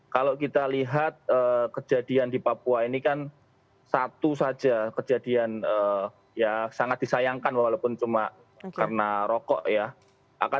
kalau kita lihat kejadian di papua ini kan satu saja kejadian ya sangat disayangkan walaupun cuma karena rokok ya